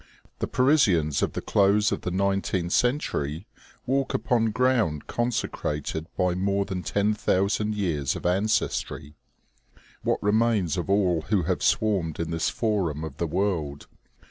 The Parisians of the close of the nineteenth cen tury walk upon ground consecrated by more than ten thousand years of ancestry. What remains of all who have swarmed in this forum of the world